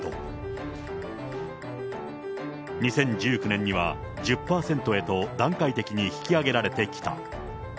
２０１９年には１０％へと段階的に引き上げられてきた。